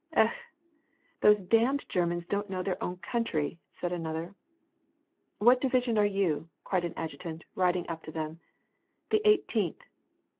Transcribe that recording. " Ekh ! these damned Germans don't know their own coun try," said another. What division are you ?" cried an adjutant, riding up to them. " The Eighteenth."